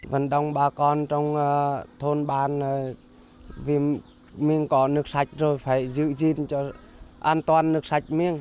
vẫn đông bà con trong thôn bàn vì mình có nước sạch rồi phải giữ gìn cho an toàn nước sạch mình